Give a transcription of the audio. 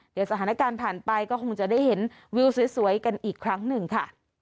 เดี๋ยวสถานการณ์ผ่านไปก็คงจะได้เห็นวิวสวยกันอีกครั้งหนึ่งค่ะ